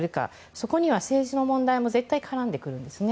そこには政治の問題も絶対に絡んでくるんですね。